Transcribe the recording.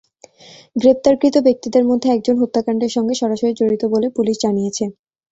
গ্রেপ্তারকৃত ব্যক্তিদের মধ্যে একজন হত্যাকাণ্ডের সঙ্গে সরাসরি জড়িত বলে পুলিশ জানিয়েছে।